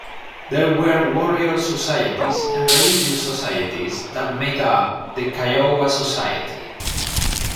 There were warrior societies and religious societies that made up the Kiowa society.